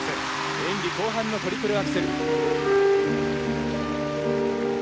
演技後半のトリプルアクセル。